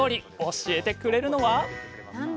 教えてくれるのは？